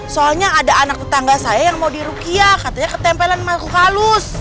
soalnya ada anak tetangga saya yang mau dirukyah katanya ketempelan makhluk halus